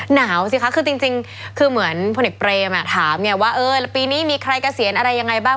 หนาวสิคะคือจริงคือเหมือนพนิกเปรมอ่ะถามเนี่ยว่าเออปีนี้มีใครเกษียณอะไรยังไงบ้าง